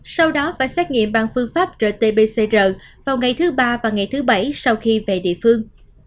sau đó phải xét nghiệm bằng phương pháp rt pcr vào ngày thứ ba và ngày thứ bảy sau khi về địa phương